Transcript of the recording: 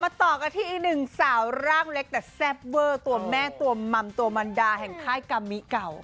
ต่อกันที่อีกหนึ่งสาวร่างเล็กแต่แซ่บเวอร์ตัวแม่ตัวมัมตัวมันดาแห่งค่ายกามิเก่า